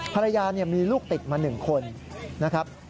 ภรรยามีลูกติดมา๑คนนะครับ